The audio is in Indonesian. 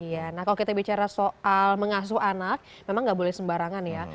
iya nah kalau kita bicara soal mengasuh anak memang nggak boleh sembarangan ya